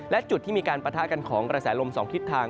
และจุดที่มีการปะทะกันของกระแสลม๒ทิศทาง